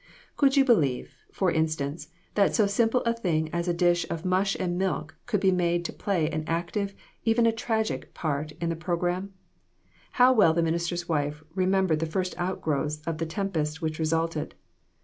Could you believe, for instance, that so simple a thing as a dish of mush and milk could be made to play an active, even a tragic, part in the pro gramme ? How well the minister's wife remem bered the first outgrowths of the tempest which resulted